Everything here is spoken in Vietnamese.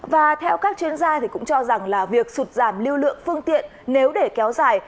và theo các chuyên gia cũng cho rằng việc sụt giảm lưu lượng phương tiện nếu để kéo dài